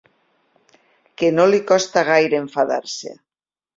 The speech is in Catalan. Que no li costa gaire enfadar-se.